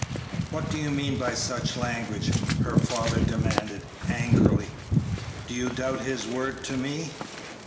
"What do you mean by such language?" her father demanded, angrily; "do you doubt his word to me?"